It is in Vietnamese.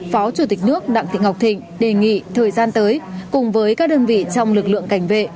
phó chủ tịch nước đặng thị ngọc thịnh đề nghị thời gian tới cùng với các đơn vị trong lực lượng cảnh vệ